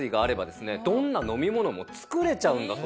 どんな飲み物も作れちゃうんだそうです。